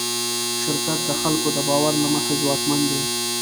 شرکت د خلکو د باور له مخې ځواکمن دی.